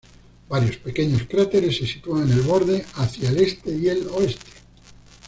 Varios pequeños cráteres se sitúan en el borde hacia el este y el oeste.